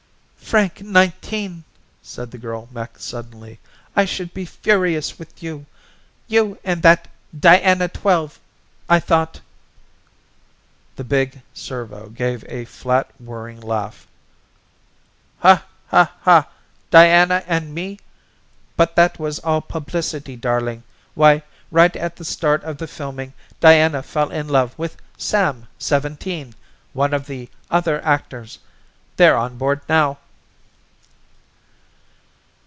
"Frank Nineteen!" said the girl mech suddenly. "I should be furious with you. You and that Diana Twelve I thought " The big servo gave a flat whirring laugh. "Diana and me? But that was all publicity, darling. Why, right at the start of the filming Diana fell in love with Sam Seventeen, one of the other actors. They're on board now."